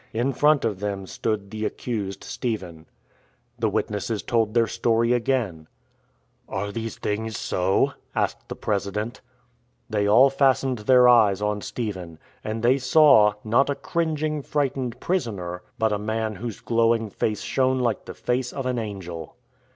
In front of them stood the accused Stephen. The witnesses told their story again. SCOURGE OF THE NAZARENES 71 " Are these things so ?" asked the President. They all fastened their eyes on Stephen. And they saw — not a cringing, frightened prisoner, but a man whose glowing face shone like the face of an angel.